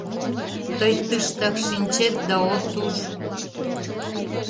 Тый тыштак шинчет да от уж.